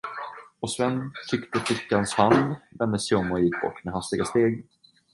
Och Sven tryckte flickans hand, vände sig om och gick bort med hastiga steg.